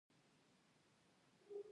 ایا کله مو نری رنځ درلود؟